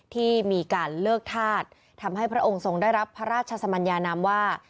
ที่มีการเลิกธาตุทำให้พระองค์ทรงได้รับพระราชสมัญญานามว่า